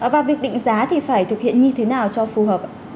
và việc định giá thì phải thực hiện như thế nào cho phù hợp